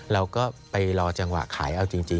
เราก็ไปรอจังหวะขายเอาจริง